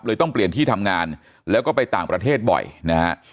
ต้องเปลี่ยนที่ทำงานแล้วก็ไปต่างประเทศบ่อยนะฮะ